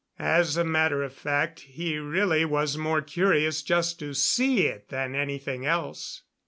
As a matter of fact, he really was more curious just to see it than anything else.